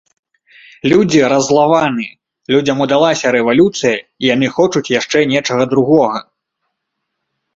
Людзі раззлаваны, людзям удалася рэвалюцыя, і яны хочуць яшчэ нечага другога.